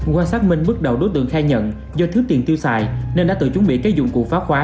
qua xác minh bước đầu đối tượng khai nhận do thiếu tiền tiêu xài nên đã tự chuẩn bị các dụng cụ phá khóa